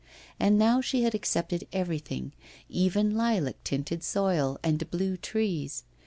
And now she had accepted everything, even lilac tinted soil and blue trees.